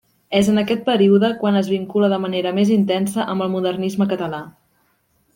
És en aquest període quan es vincula de manera més intensa amb el modernisme català.